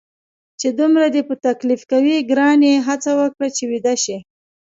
چې دومره دې په تکلیف کوي، ګرانې هڅه وکړه چې ویده شې.